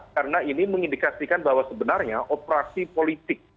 karena ini mengindikasikan bahwa sebenarnya operasi politik